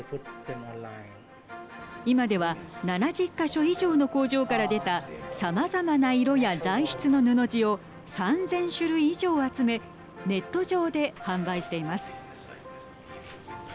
今では７０か所以上の工場から出たさまざまな色や材質の布地を３０００種類以上集めネット上で販売しています。